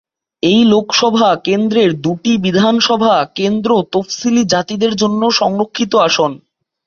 এই লোকসভা কেন্দ্রের দুটি বিধানসভা কেন্দ্র তফসিলী জাতিদের জন্য সংরক্ষিত আসন।